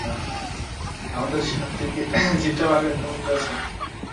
আমাদের স্বাতীকে চিতাবাঘ আক্রমণ করেছে।